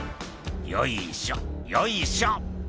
「よいしょよいしょ」